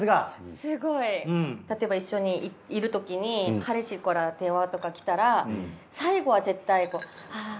すごい。例えば一緒にいるときに彼氏から電話とか来たら最後は絶対。